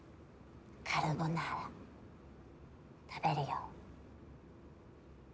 カルボナーラ食べるよ。